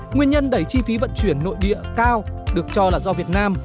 nguyên nhân đẩy chi phí vận chuyển nội địa cao được cho là do việt nam